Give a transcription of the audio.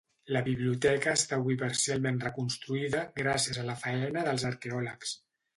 La biblioteca està avui parcialment reconstruïda gràcies a la faena dels arqueòlegs.